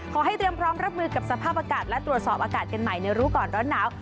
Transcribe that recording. ขอให้เตรียมพร้อมรับมือกับสภาพอากาศและตรวจสอบอากาศกันใหม่ในรู้ก่อนร้อนหนาว